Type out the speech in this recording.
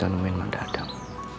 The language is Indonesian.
assalamualaikum mang dadang